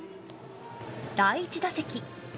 第１打席。